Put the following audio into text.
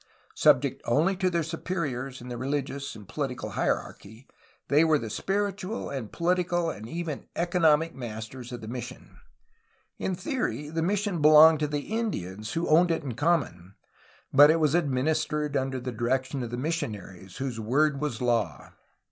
Subject only to their superiors in the religious and poHtical hierarchy, they were the spiritual, and political, and even economic masters of the mission. In theory the mission belonged to the Indians, who owned it in common, but it was administered under the direction of the missionaries, whose word was law.